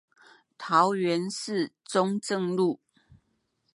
桃園市中正路